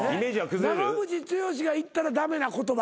長渕剛が言ったら駄目な言葉？